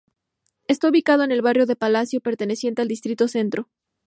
Está ubicado en el barrio de Palacio, perteneciente al distrito Centro.